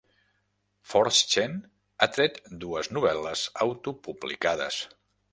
Forstchen ha tret dues novel·les autopublicades.